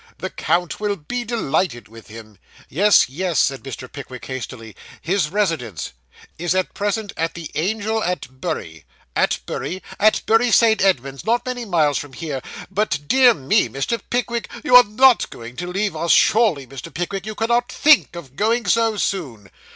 The count will be delighted with him.' 'Yes, yes,' said Mr. Pickwick hastily. 'His residence ' 'Is at present at the Angel at Bury.' 'At Bury?' 'At Bury St. Edmunds, not many miles from here. But dear me, Mr. Pickwick, you are not going to leave us; surely Mr. Pickwick you cannot think of going so soon?